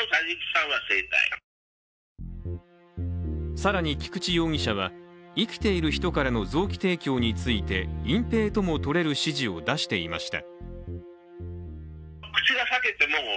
更に菊池容疑者は生きている人からの臓器提供について隠蔽ともとれる指示を出していました。